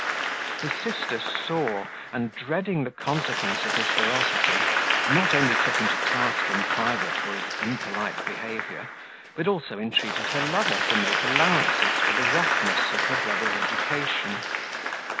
His sister saw, and, dreading the consequence of his ferocity, not only took him to task in private for his impolite behaviour, but also entreated her lover to make allowances for the roughness of her brother's education.